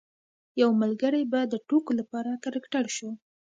یو ملګری به د ټوکو لپاره کرکټر شو.